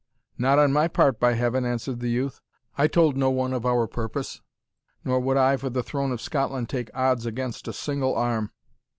"Not on my part, by Heaven!" answered the youth: "I told no one of our purpose, nor would I for the throne of Scotland take odds against a single arm."